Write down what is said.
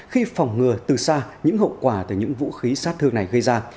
khi phòng ngừa từ xa những hậu quả từ những vũ khí sát thương này gây ra